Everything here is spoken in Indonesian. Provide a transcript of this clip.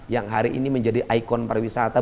yang hari ini menjadi ikon pariwisata